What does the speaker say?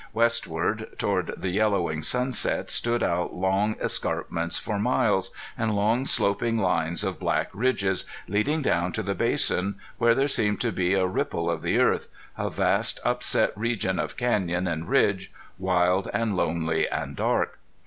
Westward, toward the yellowing sunset stood out long escarpments for miles, and long sloping lines of black ridges, leading down to the basin where there seemed to be a ripple of the earth, a vast upset region of canyon and ridge, wild and lonely and dark.